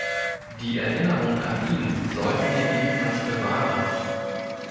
Die Erinnerung an ihn sollten wir ebenfalls bewahren.